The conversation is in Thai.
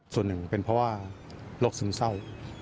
ส่วนหนึ่งเป็นเพราะว่าโรคซึมเศร้า